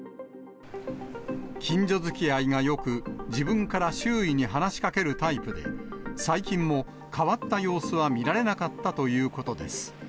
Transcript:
近所づきあいがよく、自分から周囲に話しかけるタイプで、最近も変わった様子は見られなかったということです。